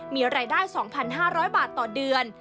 มีรายได้๒๕๐๐บาทต่อเดือน